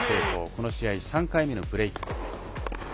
この試合３回目のブレーク。